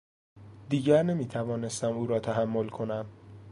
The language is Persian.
دیگر نمیتوانستم او را تحمل کنم.